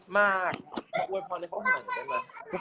มากอ้าวอวยพรเขาเหมือนกันเลย